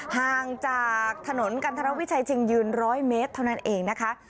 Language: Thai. ห่างจากถนนกันทรวิชัยชิงยืน๑๐๐เมตรเท่านั้นเองนะคะ